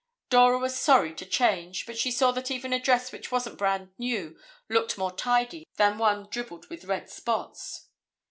Dora was sorry to change, but she saw that even a dress which wasn't brand new looked more tidy than one dribbled with red spots.